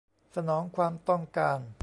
สนองความต้องการ